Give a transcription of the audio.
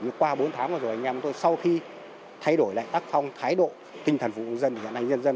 nhưng qua bốn tháng vừa rồi anh em tôi sau khi thay đổi lại tác phong thái độ tinh thần phục vụ dân